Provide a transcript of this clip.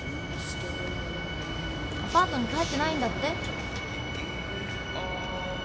アパートに帰ってないんだって？